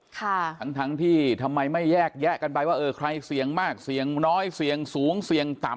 ทั้งทั้งที่ทำไมไม่แยกแยะกันไปว่าเออใครเสี่ยงมากเสี่ยงน้อยเสี่ยงสูงเสี่ยงต่ำ